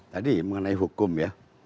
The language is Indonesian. tadi mengenai hukum ya